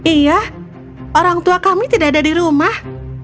iya orang tua kami tidak ada di rumah